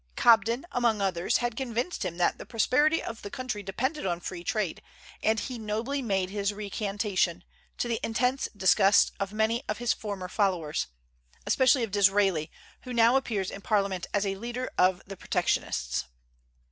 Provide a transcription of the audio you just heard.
Cobden, among others, had convinced him that the prosperity of the country depended on free trade, and he nobly made his recantation, to the intense disgust of many of his former followers, especially of Disraeli, who now appears in Parliament as a leader of the protectionists.